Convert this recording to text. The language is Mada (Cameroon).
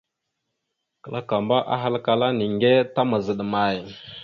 Kǝlakamba ahalǝkala ya: « Niŋgire ta mazaɗ amay? ».